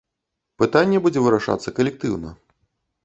Пытанне будзе вырашацца калектыўна.